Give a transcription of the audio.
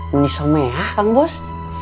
menyomeah kang bos